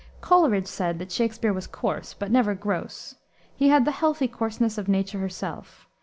Coleridge said that Shakspere was coarse, but never gross. He had the healthy coarseness of nature herself.